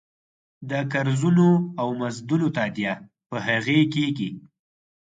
د قرضونو او مزدونو تادیه په هغې کېږي.